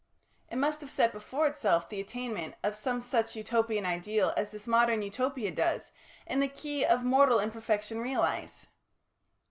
It must have set before itself the attainment of some such Utopian ideal as this modern Utopia does, in the key of mortal imperfection, realise.